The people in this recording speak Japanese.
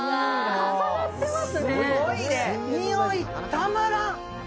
重なってますね